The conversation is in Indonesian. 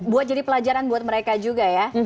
buat jadi pelajaran buat mereka juga ya